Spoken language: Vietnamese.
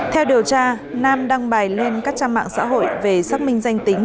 theo điều tra nam đăng bài lên các trang mạng xã hội về xác minh danh tính